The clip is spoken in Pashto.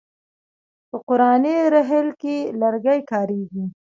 په قرآني رحل کې لرګی کاریږي.